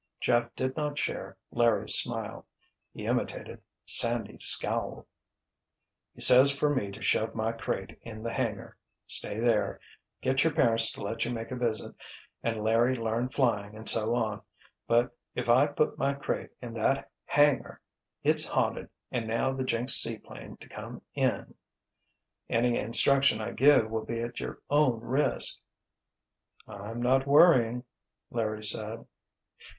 Jeff did not share Larry's smile. He imitated Sandy's scowl. "He says for me to shove my crate in the hangar, stay here, get your parents to let you make a visit and Larry learn flying and so on, but if I put my crate in that hangar—it haunted and now the jinxed seaplane to come in—any instruction I give will be at your own risk." "I'm not worrying," Larry said.